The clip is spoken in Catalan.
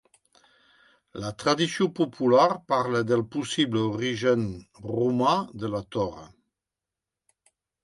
La tradició popular parla del possible origen romà de la torre.